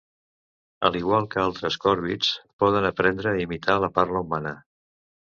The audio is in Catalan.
A l'igual que altres còrvids, poden aprendre a imitar la parla humana.